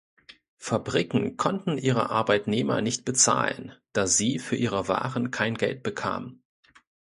Fabriken konnten ihre Arbeitnehmer nicht bezahlen, da sie für ihre Waren kein Geld bekamen.